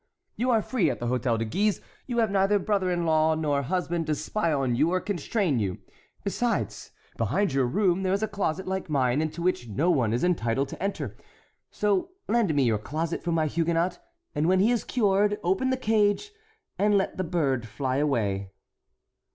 You are free at the Hôtel de Guise; you have neither brother in law nor husband to spy on you or constrain you; besides, behind your room there is a closet like mine into which no one is entitled to enter; so lend me your closet for my Huguenot, and when he is cured open the cage and let the bird fly away."